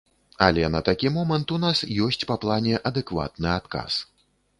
Але на такі момант у нас ёсць па плане адэкватны адказ.